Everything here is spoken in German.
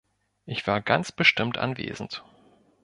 Ich war ganz bestimmt anwesend.